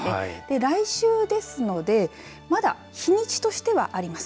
来週ですのでまだ日にちとしてはあります。